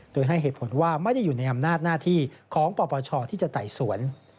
โดยให้เหตุผลว่าไม่ได้อยู่ในอำนาจหน้าที่ของปปชที่จะไต่สวน